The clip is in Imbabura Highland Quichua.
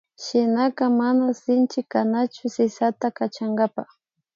Shinaka mana sinchi kanachu sisata kachankapa